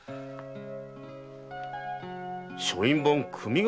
書院番組頭